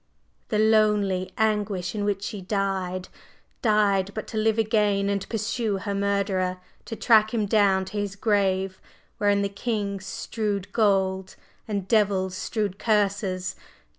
the lonely anguish in which she died! Died, but to live again and pursue her murderer! to track him down to his grave wherein the king strewed gold, and devils strewed curses!